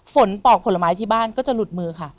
ปอกผลไม้ที่บ้านก็จะหลุดมือค่ะ